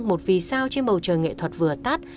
một vì sao trên bầu trời nghệ thuật vừa tắt